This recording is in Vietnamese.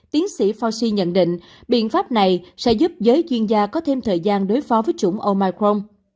tiến sĩ fauci nhận định biện pháp này sẽ giúp giới chuyên gia có thêm thời gian đối phó với chủng omicron